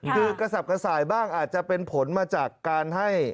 คือกระสับกระส่ายบ้างอาจจะเป็นผลมาจากการให้